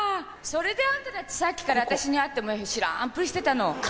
それであんたたちさっきから私に会っても知らんぷりしてたの？